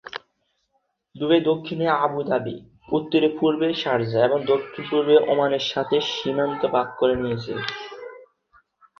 Dubai দক্ষিণে Abu Dhabi, উত্তর-পূর্বে Sharjah এবং দক্ষিণ-পূর্বে ওমানের সাথে সীমান্ত ভাগ করে নিয়েছে।